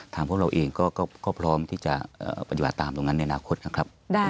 พวกเราเองก็พร้อมที่จะปฏิบัติตามตรงนั้นในอนาคตนะครับ